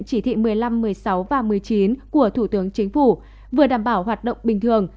chỉ thị một mươi năm một mươi sáu và một mươi chín của thủ tướng chính phủ vừa đảm bảo hoạt động bình thường